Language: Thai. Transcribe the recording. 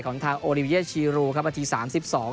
ของนัทธาโอริเวียชีรูครับอาทิตย์สามสิบสอง